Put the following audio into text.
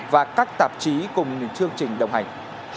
và các tạp chí cùng những thương trình đồng hành